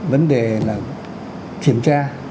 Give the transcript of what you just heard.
vấn đề là kiểm tra